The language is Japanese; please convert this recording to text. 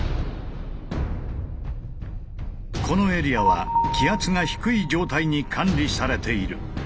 このエリアは気圧が低い状態に管理されている。